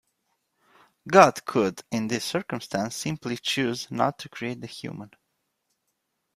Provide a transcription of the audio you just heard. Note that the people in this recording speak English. God could, in this circumstance, simply choose not to create the human.